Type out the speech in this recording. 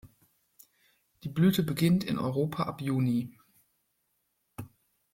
Die Blüte beginnt in Europa ab Juni.